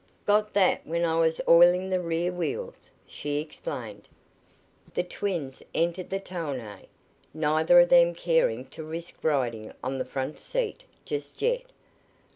"Got that when I was oiling the rear wheels," she explained. The twins entered the tonneau, neither of them caring to risk riding on the front seat just yet.